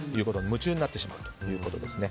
夢中になってしまうそうです。